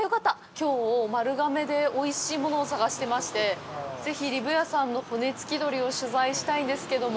きょう丸亀でおいしいものを探してましてぜひ、りぶやさんの骨付鳥を取材したいんですけども。